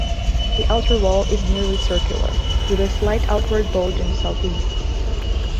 The outer wall is nearly circular, with a slight outward bulge in the southeast.